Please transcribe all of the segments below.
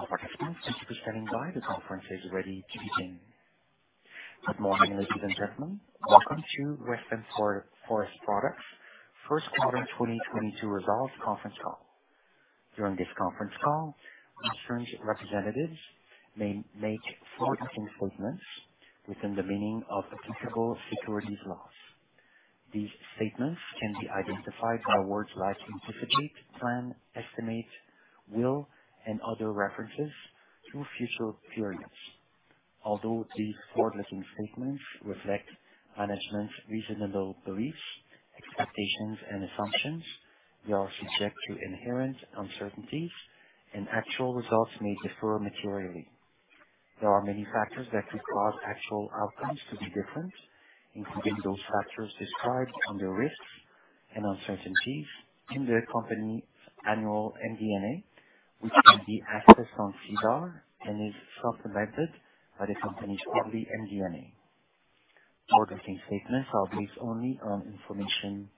All participants, thank you for standing by. The conference is ready to begin. Good morning, ladies and gentlemen. Welcome to Western Forest Products first quarter 2022 results conference call. During this conference call, Western's representatives may make forward-looking statements within the meaning of applicable securities laws. These statements can be identified by words like anticipate, plan, estimate, will, and other references to future periods. Although these forward-looking statements reflect management's reasonable beliefs, expectations and assumptions, they are subject to inherent uncertainties, and actual results may differ materially. There are many factors that could cause actual outcomes to be different, including those factors described under Risks and Uncertainties in the company's annual MD&A, which can be accessed on SEDAR, and is supplemented by the company's quarterly MD&A. Forward-looking statements are based only on information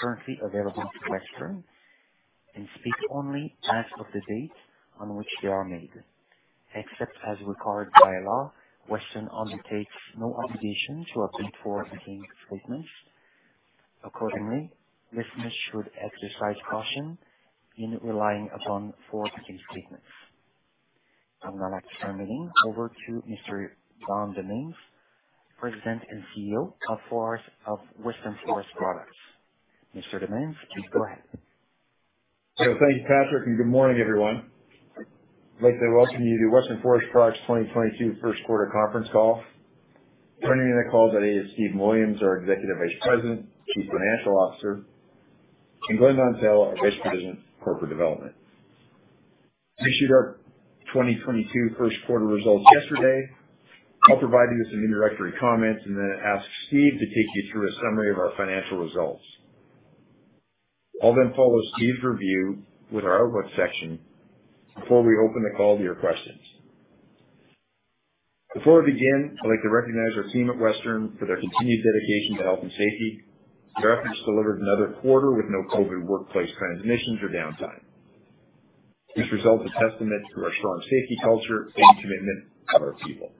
currently available to Western, and speak only as of the date on which they are made. Except as required by law, Western undertakes no obligation to update forward-looking statements. Accordingly, listeners should exercise caution in relying upon forward-looking statements. I would now like to turn the meeting over to Mr. Don Demens, President and CEO of Western Forest Products. Mr. Demens, please go ahead. Thank you, Patrick, and good morning, everyone. I'd like to welcome you to Western Forest Products' 2022 first quarter conference call. Joining me on the call today is Stephen Williams, our Executive Vice President, Chief Financial Officer, and Glen Nontell, our Vice President of Corporate Development. We issued our 2022 first quarter results yesterday. I'll provide you with some introductory comments, and then ask Steve to take you through a summary of our financial results. I'll then follow Steve's review with our outlook section before we open the call to your questions. Before we begin, I'd like to recognize our team at Western for their continued dedication to health and safety. They've just delivered another quarter with no COVID workplace transmissions or downtime. This result is a testament to our strong safety culture and commitment to our people.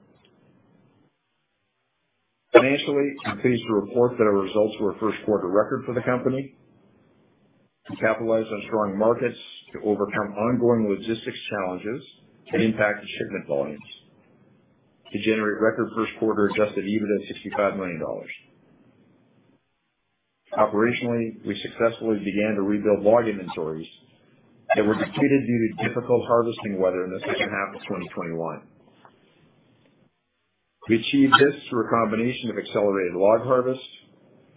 Financially, I'm pleased to report that our results were a first quarter record for the company. We capitalized on strong markets to overcome ongoing logistics challenges that impacted shipment volumes, to generate record first quarter Adjusted EBITDA of 65 million dollars. Operationally, we successfully began to rebuild log inventories that were depleted due to difficult harvesting weather in the second half of 2021. We achieved this through a combination of accelerated log harvest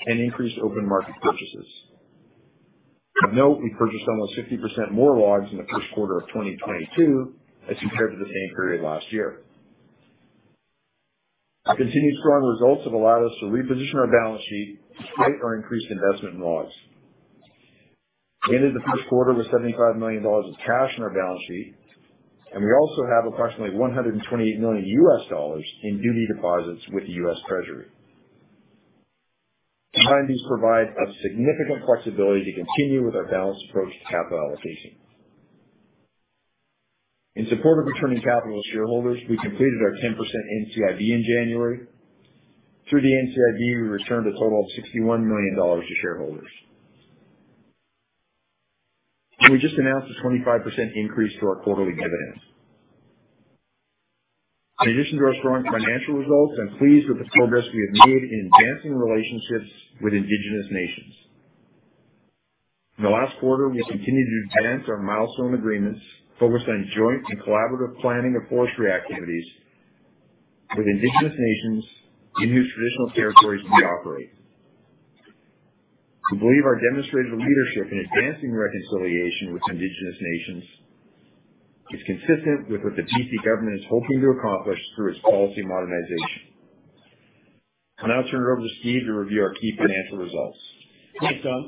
and increased open market purchases. Of note, we purchased almost 50% more logs in the first quarter of 2022 as compared to the same period last year. Our continued strong results have allowed us to reposition our balance sheet despite our increased investment in logs. We ended the first quarter with 75 million dollars of cash on our balance sheet, and we also have approximately $128 million in duty deposits with the U.S. Treasury. Combined, these provide a significant flexibility to continue with our balanced approach to capital allocation. In support of returning capital to shareholders, we completed our 10% NCIB in January. Through the NCIB, we returned a total of 61 million dollars to shareholders. We just announced a 25% increase to our quarterly dividend. In addition to our strong financial results, I'm pleased with the progress we have made in advancing relationships with indigenous nations. In the last quarter, we have continued to advance our milestone agreements focused on joint and collaborative planning of forestry activities with indigenous nations in whose traditional territories we operate. We believe our demonstrated leadership in advancing reconciliation with Indigenous nations is consistent with what the BC government is hoping to accomplish through its policy modernization. I'll now turn it over to Steph to review our key financial results. Thanks, Don.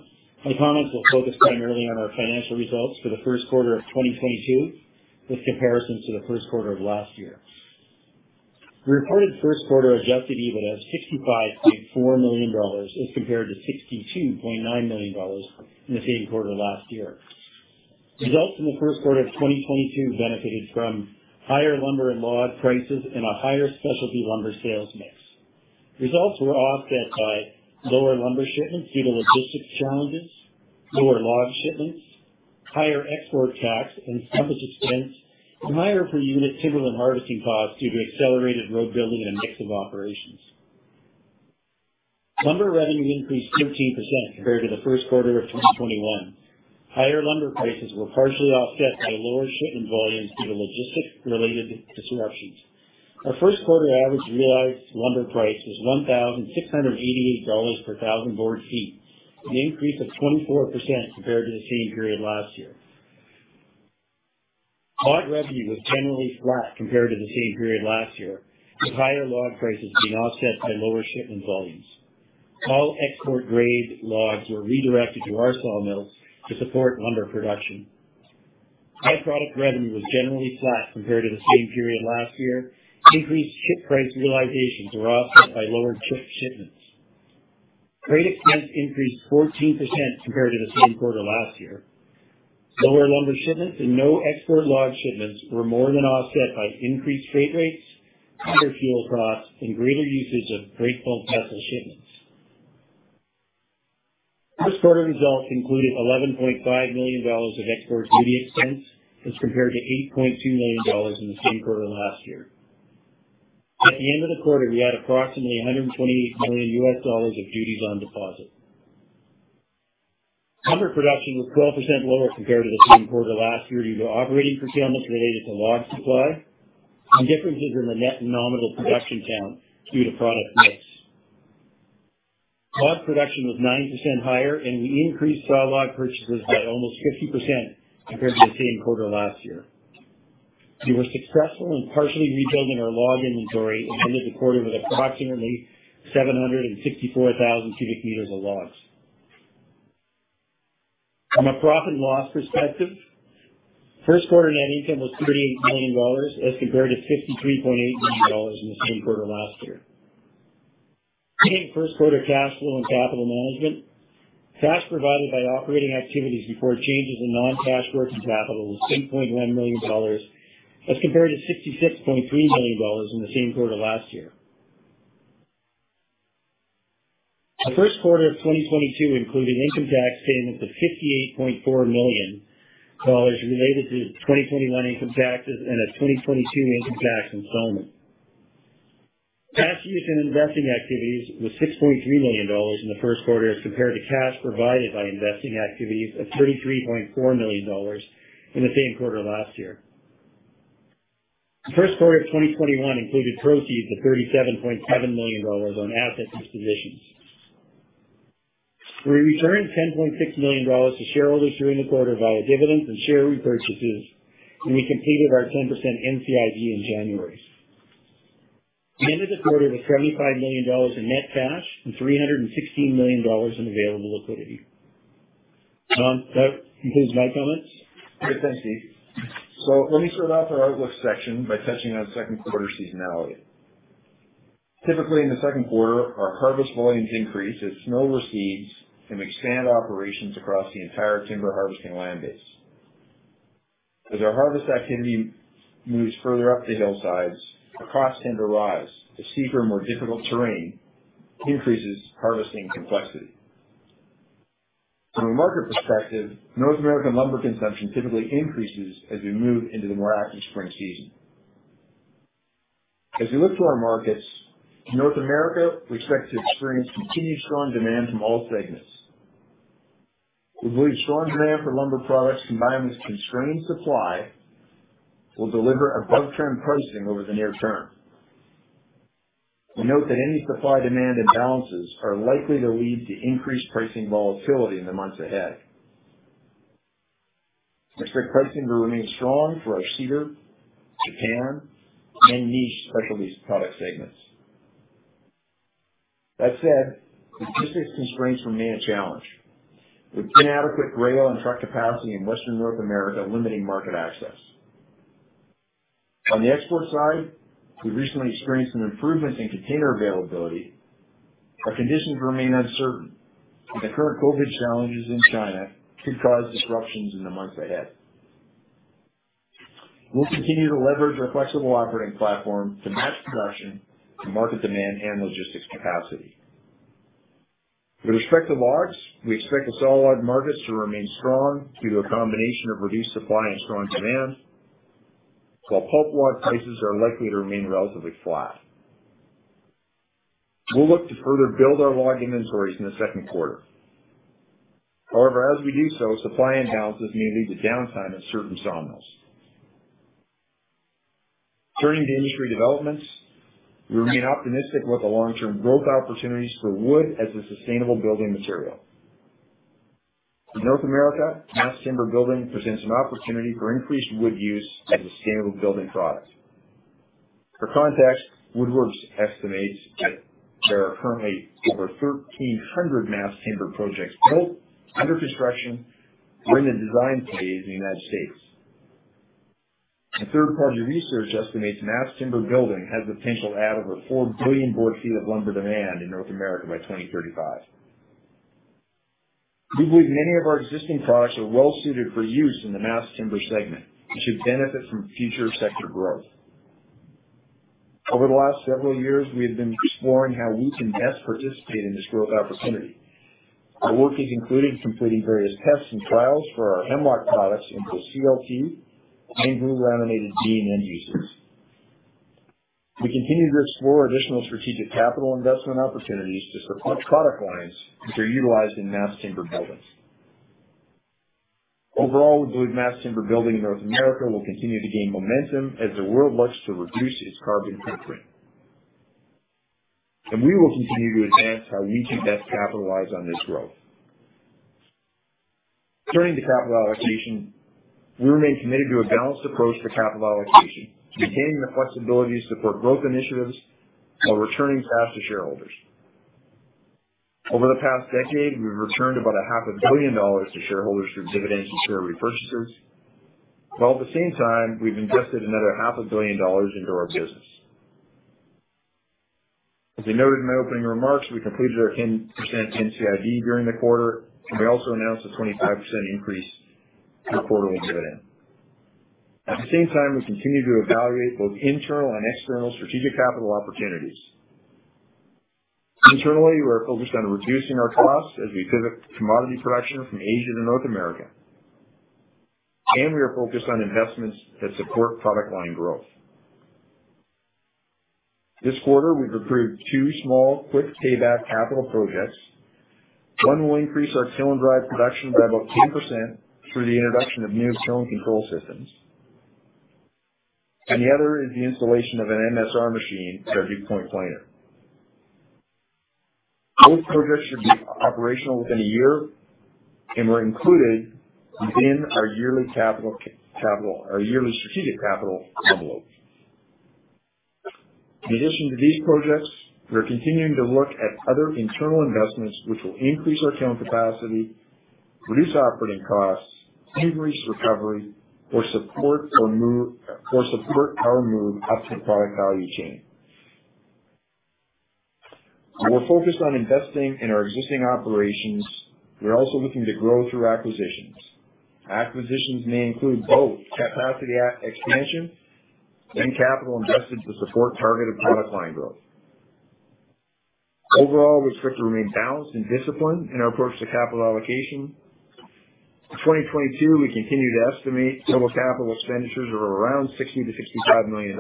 My comments will focus primarily on our financial results for the first quarter of 2022, with comparisons to the first quarter of last year. We reported first quarter Adjusted EBITDA of 65.4 million dollars as compared to 62.9 million dollars in the same quarter last year. Results in the first quarter of 2022 benefited from higher lumber and log prices and a higher specialty lumber sales mix. Results were offset by lower lumber shipments due to logistics challenges, lower log shipments, higher export tax and stumpage expense, and higher per unit timber and harvesting costs due to accelerated road building and a mix of operations. Lumber revenue increased 13% compared to the first quarter of 2021. Higher lumber prices were partially offset by lower shipment volumes due to logistics related disruptions. Our first quarter average realized lumber price was 1,688 dollars per thousand board feet, an increase of 24% compared to the same period last year. Log revenue was generally flat compared to the same period last year, with higher log prices being offset by lower shipment volumes. All export grade logs were redirected to our sawmills to support lumber production. By-product revenue was generally flat compared to the same period last year. Increased chip price realizations were offset by lower chip shipments. Freight expense increased 14% compared to the same quarter last year. Lower lumber shipments and no export log shipments were more than offset by increased freight rates, higher fuel costs, and greater usage of break bulk vessel shipments. First quarter results included 11.5 million dollars of export duty expense as compared to 8.2 million dollars in the same quarter last year. At the end of the quarter, we had approximately $128 million of duties on deposit. Timber production was 12% lower compared to the same quarter last year due to operating curtailments related to log supply and differences in the net nominal production count due to product mix. Log production was 9% higher, and we increased saw log purchases by almost 50% compared to the same quarter last year. We were successful in partially rebuilding our log inventory and ended the quarter with approximately 764,000 cubic meters of logs. From a profit and loss perspective, first quarter net income was 38 million dollars as compared to 53.8 million dollars in the same quarter last year. Turning to first quarter cash flow and capital management. Cash provided by operating activities before changes in non-cash working capital was 10.1 million dollars as compared to 66.3 million dollars in the same quarter last year. The first quarter of 2022 included income tax payments of 58.4 million dollars related to 2021 income taxes and a 2022 income tax installment. Cash used in investing activities was 6.3 million dollars in the first quarter as compared to cash provided by investing activities of 33.4 million dollars in the same quarter last year. The first quarter of 2021 included proceeds of 37.7 million dollars on asset dispositions. We returned 10.6 million dollars to shareholders during the quarter via dividends and share repurchases, and we completed our 10% NCIB in January. We ended the quarter with 75 million dollars in net cash and 316 million dollars in available liquidity. That concludes my comments. Thanks, Steph. Let me start off our outlook section by touching on second quarter seasonality. Typically, in the second quarter, our harvest volumes increase as snow recedes, and we expand operations across the entire timber harvesting land base. As our harvest activity moves further up the hillsides, our costs tend to rise as steeper, more difficult terrain increases harvesting complexity. From a market perspective, North American lumber consumption typically increases as we move into the more active spring season. As we look to our markets, North America, we expect to experience continued strong demand from all segments. We believe strong demand for lumber products, combined with constrained supply will deliver above-trend pricing over the near term. We note that any supply-demand imbalances are likely to lead to increased pricing volatility in the months ahead. We expect pricing to remain strong for our cedar, Japan, and niche specialty product segments. That said, logistics constraints remain a challenge, with inadequate rail and truck capacity in Western North America limiting market access. On the export side, we recently experienced some improvements in container availability, but conditions remain uncertain, and the current COVID challenges in China could cause disruptions in the months ahead. We'll continue to leverage our flexible operating platform to match production to market demand and logistics capacity. With respect to logs, we expect the saw log markets to remain strong due to a combination of reduced supply and strong demand, while pulp log prices are likely to remain relatively flat. We'll look to further build our log inventories in the second quarter. However, as we do so, supply imbalances may lead to downtime at certain sawmills. Turning to industry developments, we remain optimistic about the long-term growth opportunities for wood as a sustainable building material. In North America, mass timber building presents an opportunity for increased wood use as a scalable building product. For context, WoodWorks estimates that there are currently over 1,300 mass timber projects built, under construction, or in the design phase in the United States. Third party research estimates mass timber building has the potential to add over 4 billion board feet of lumber demand in North America by 2035. We believe many of our existing products are well suited for use in the mass timber segment, which should benefit from future sector growth. Over the last several years, we have been exploring how we can best participate in this growth opportunity. Our work has included completing various tests and trials for our Hemlock products into CLT and glue laminated beam end uses. We continue to explore additional strategic capital investment opportunities to support product lines, which are utilized in mass timber buildings. Overall, we believe mass timber building in North America will continue to gain momentum as the world looks to reduce its carbon footprint. We will continue to advance how we can best capitalize on this growth. Turning to capital allocation, we remain committed to a balanced approach to capital allocation, maintaining the flexibility to support growth initiatives while returning cash to shareholders. Over the past decade, we've returned about half a billion CAD to shareholders through dividends and share repurchases. Well, at the same time, we've invested another half a billion CAD into our business. As you noted in my opening remarks, we completed our 10% NCIB during the quarter, and we also announced a 25% increase to the quarterly dividend. At the same time, we continue to evaluate both internal and external strategic capital opportunities. Internally, we are focused on reducing our costs as we pivot commodity production from Asia to North America. We are focused on investments that support product line growth. This quarter, we've approved two small, quick payback capital projects. One will increase our cylinder production by about 10% through the introduction of new kiln control systems. The other is the installation of an MSR machine at our Duke Point planer. Both projects should be operational within a year and were included within our yearly strategic capital envelope. In addition to these projects, we are continuing to look at other internal investments which will increase our kiln capacity, reduce operating costs, increase recovery, or support our move up the product value chain. While we're focused on investing in our existing operations, we are also looking to grow through acquisitions. Acquisitions may include both capacity expansion and capital invested to support targeted product line growth. Overall, we expect to remain balanced and disciplined in our approach to capital allocation. In 2022, we continue to estimate total capital expenditures are around 60 - 65 million.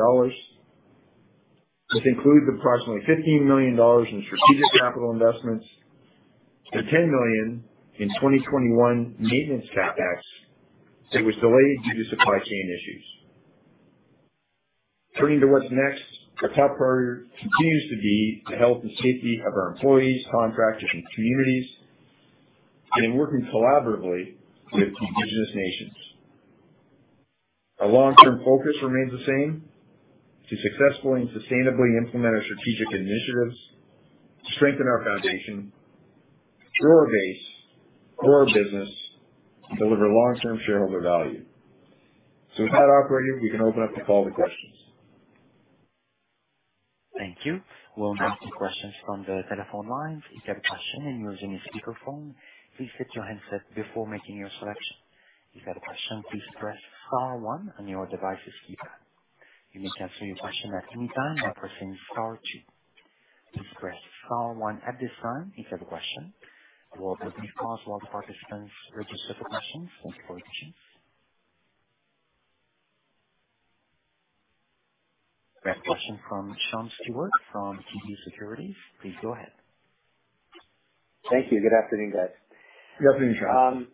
This includes approximately 15 million dollars in strategic capital investments to 10 million in 2021 maintenance CapEx that was delayed due to supply chain issues. Turning to what's next, our top priority continues to be the health and safety of our employees, contractors, and communities, and working collaboratively with Indigenous nations. Our long-term focus remains the same, to successfully and sustainably implement our strategic initiatives, strengthen our foundation, grow our base, grow our business, deliver long-term shareholder value. With that, operator, we can open up the call to questions. Thank you. We'll now take questions from the telephone lines. If you have a question and you're using a speakerphone, please mute your handset before making your selection. If you have a question, please press star one on your device's keypad. You may cancel your question at any time by pressing star two. Please press star one at this time if you have a question. We'll pause while participants register for questions. Thank you for your patience. We have a question from Sean Steuart from TD Securities. Please go ahead. Thank you. Good afternoon, guys. Good afternoon, Sean.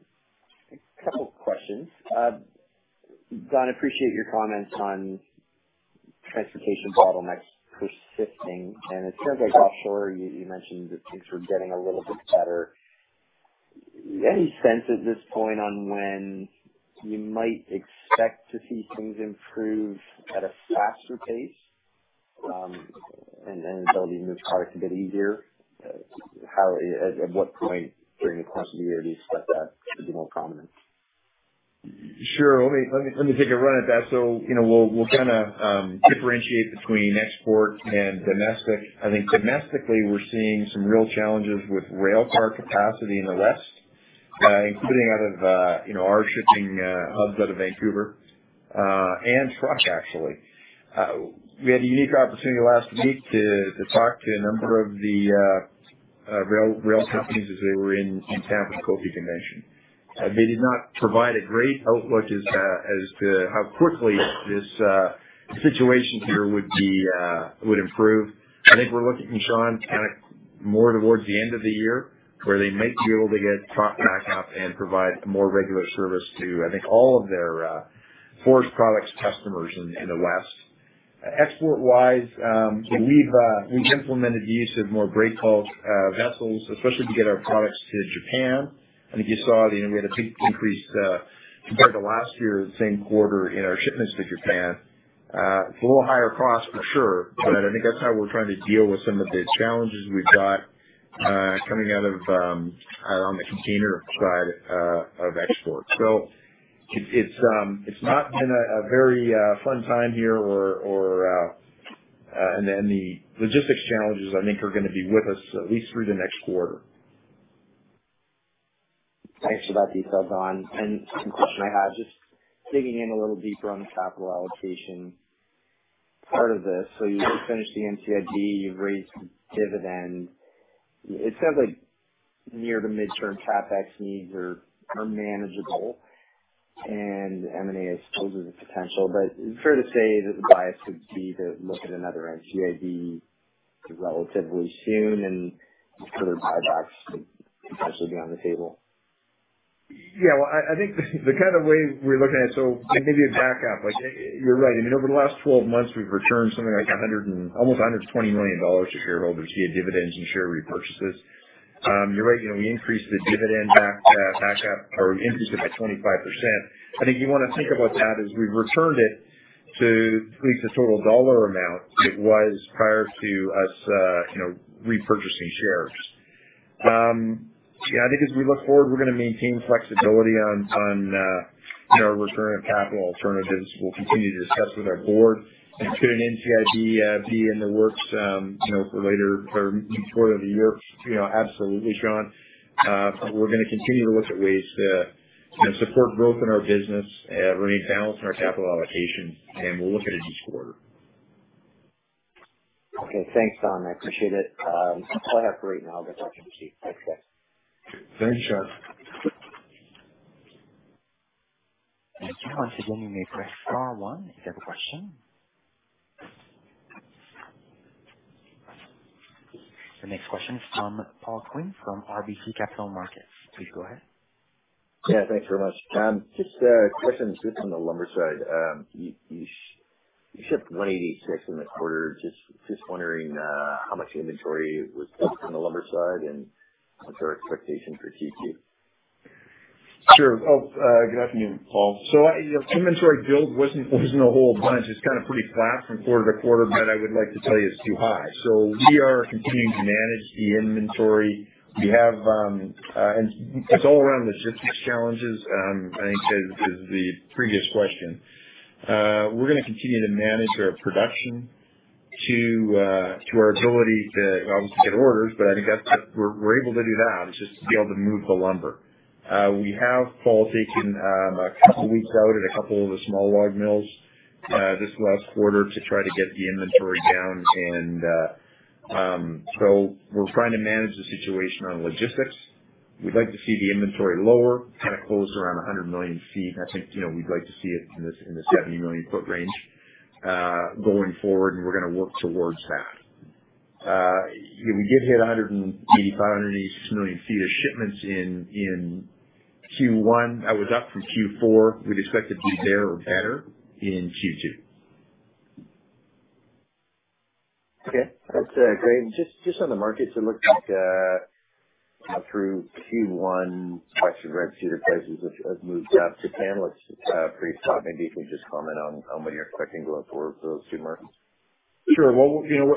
A couple of questions. Don, appreciate your comments on transportation bottlenecks persisting, and it sounds like offshore you mentioned that things were getting a little bit better. Any sense at this point on when you might expect to see things improve at a faster pace, and be able to move product a bit easier? At what point during the course of the year do you expect that to be more prominent? Sure. Let me take a run at that. You know, we'll kinda differentiate between export and domestic. I think domestically we're seeing some real challenges with rail car capacity in the West, including out of you know our shipping hubs out of Vancouver, and truck actually. We had a unique opportunity last week to talk to a number of the rail companies as they were in town for the COFI convention. They did not provide a great outlook as to how quickly this situation here would improve. I think we're looking, Sean, kind of more towards the end of the year where they might be able to get trucking back up and provide a more regular service to, I think, all of their forest products customers in the West. Export-wise, we've implemented the use of more break bulk vessels, especially to get our products to Japan. I think you saw, you know, we had a big increase compared to last year, the same quarter in our shipments to Japan. It's a little higher cost for sure, but I think that's how we're trying to deal with some of the challenges we've got coming out of on the container side of exports. It's not been a very fun time here or. The logistics challenges I think are gonna be with us at least through the next quarter. Thanks for that detail, Don. Second question I had, just digging in a little deeper on the capital allocation part of this. You finished the NCIB, you've raised the dividend. It sounds like near to midterm CapEx needs are manageable and M&A is still a potential, but is it fair to say that the bias would be to look at another NCIB relatively soon and further buybacks would potentially be on the table? Well, I think the kind of way we're looking at it. Maybe a back up. Like, you're right. I mean, over the last 12 months, we've returned something like a hundred and almost 120 million dollars to shareholders via dividends and share repurchases. You're right. You know, we increased the dividend back back up or increased it by 25%. I think you wanna think about that as we've returned it to at least the total dollar amount it was prior to us, you know, repurchasing shares. Yeah, I think as we look forward, we're gonna maintain flexibility on, you know, returning capital alternatives. We'll continue to discuss with our board. Could an NCIB be in the works, you know, for later or mid-quarter of the year? You know, absolutely, Sean. We're gonna continue to look at ways to, you know, support growth in our business, remain balanced in our capital allocation, and we'll look at it each quarter. Okay. Thanks, Don. I appreciate it. All right now, talking to you. Thanks, guys. Thanks, Sean. Once again, you may press star one if you have a question. The next question is from Paul Quinn from RBC Capital Markets. Please go ahead. Yeah, thanks very much. Just a question on the lumber side. You shipped 186 in the quarter. Just wondering how much inventory was built on the lumber side and what's our expectation for Q2? Good afternoon, Paul. I, you know, inventory build wasn't a whole bunch. It's kind of pretty flat from quarter to quarter, but I would like to tell you it's too high. We are continuing to manage the inventory. We have and it's all around logistics challenges, I think as the previous question. We're gonna continue to manage our production to our ability to obviously get orders, but I think we're able to do that. It's just to be able to move the lumber. We have, Paul, taken a couple of weeks out at a couple of the small log mills, this last quarter to try to get the inventory down and we're trying to manage the situation on logistics. We'd like to see the inventory lower, kind of closer to around 100 million feet. I think, you know, we'd like to see it in the 70 million foot range, going forward, and we're gonna work towards that. We did hit 185-186 million feet of shipments in Q1. That was up from Q4. We'd expect it to be there or better in Q2. Okay. That's great. Just on the markets, it looks like through Q1, price and red cedar prices have moved up to panelists pretty top. Maybe if you just comment on what you're expecting going forward for those two markets. Sure. Well, you know,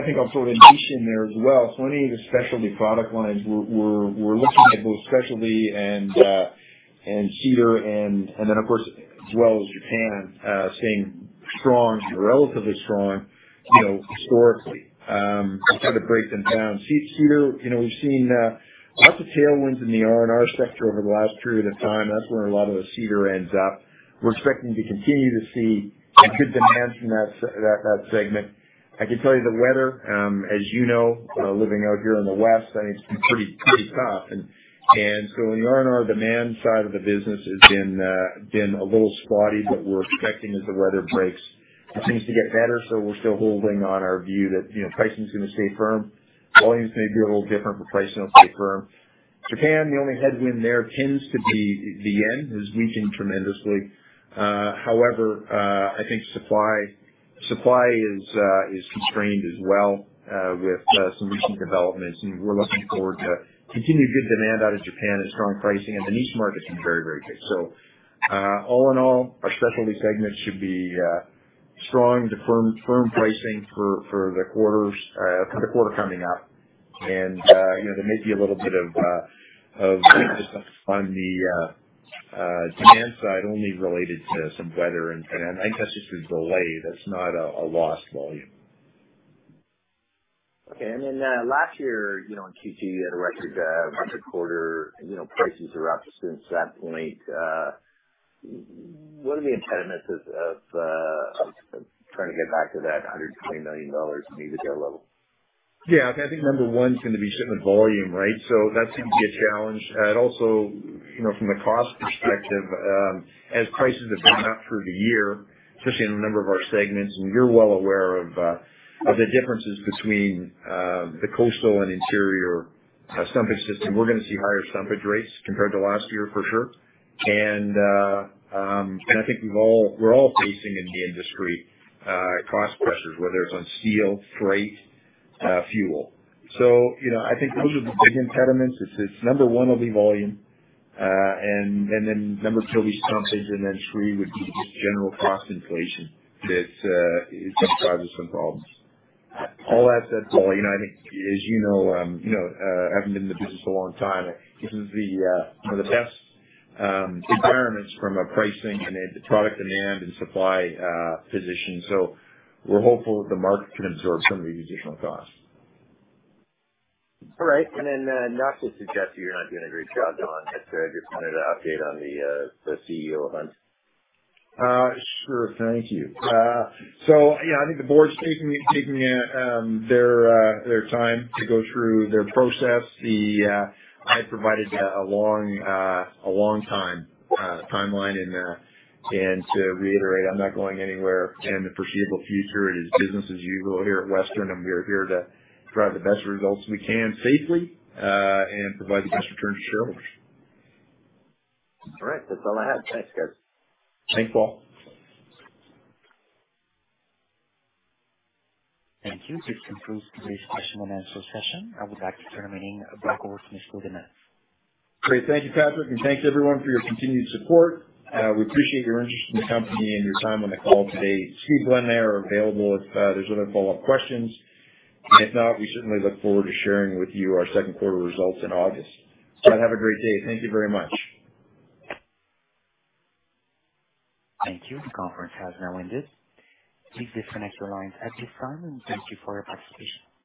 I think on sort of niche in there as well. Any of the specialty product lines we're looking at both specialty and cedar and then of course, as well as Japan staying strong, relatively strong, you know, historically. I'll kind of break them down. Cedar, you know, we've seen lots of tailwinds in the R&R sector over the last period of time. That's where a lot of the cedar ends up. We're expecting to continue to see a good demand from that segment. I can tell you the weather, as you know, living out here in the West, I think it's been pretty tough. In the R&R demand side of the business has been a little spotty, but we're expecting as the weather breaks, things to get better. We're still holding on our view that, you know, pricing is gonna stay firm. Volume is maybe a little different, but pricing will stay firm. Japan, the only headwind there tends to be the yen is weakening tremendously. However, I think supply is constrained as well with some recent developments, and we're looking forward to continued good demand out of Japan and strong pricing. The niche market's been very good. All in all, our specialty segments should be strong to firm pricing for the quarter coming up. You know, there may be a little bit of resistance on the demand side only related to some weather and I think that's just a delay. That's not a lost volume. Okay. Last year, you know, in Q2, you had a record quarter. You know, prices are up since that point. What are the impediments of trying to get back to that 120 million dollars EBITDA level? Yeah. I think number one is gonna be shipment volume, right? That seems to be a challenge. Also, you know, from a cost perspective, as prices have been up through the year, especially in a number of our segments, and you're well aware of the differences between the coastal and interior stumpage system, we're gonna see higher stumpage rates compared to last year for sure. I think we're all facing in the industry cost pressures, whether it's on steel, freight, fuel. You know, I think those are the big impediments. It's number one will be volume, and then number two will be stumpage, and then three would be just general cost inflation that is gonna cause us some problems. All that said, Paul, you know, I think as you know, you know, having been in the business a long time, this is the one of the best environments from a pricing and a product demand and supply position. We're hopeful that the market can absorb some of the additional costs. All right. Not to suggest that you're not doing a great job, Don, just wanted an update on the CEO hunt. Sure. Thank you. Yeah, I think the board's taking their time to go through their process. I had provided a long timeline and to reiterate, I'm not going anywhere in the foreseeable future. It is business as usual here at Western, and we are here to drive the best results we can safely and provide the best return to shareholders. All right. That's all I have. Thanks, guys. Thanks, Paul. Thank you. This concludes today's question and answer session. I would like to turn the meeting back over to Mr. Don Demens. Great. Thank you, Patrick, and thanks everyone for your continued support. We appreciate your interest in the company and your time on the call today. Steve Williams and Glen Nontell are available if there's other follow-up questions. If not, we certainly look forward to sharing with you our second quarter results in August. Have a great day. Thank you very much. Thank you. The conference has now ended. Please disconnect your lines at this time, and thank you for your participation.